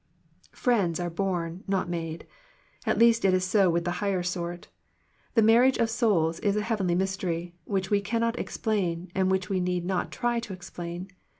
Friends are born, not made. At least it is so with the higher sort. The mar riage of souls is a heavenly mystery, which we cannot explain, and which we need not try to explain.